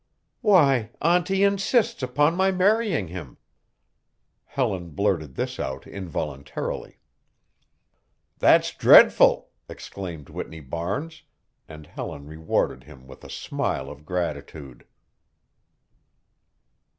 "Why, Auntie insists upon my marrying him." Helen blurted this out involuntarily "That's dreadful!" exclaimed Whitney Barnes, and Helen rewarded him with a smile of gratitude.